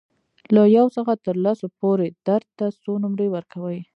له یو څخه تر لسو پورې درد ته څو نمرې ورکوئ؟